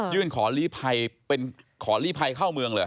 ยื่นขอลีภัยเข้าเมืองเลย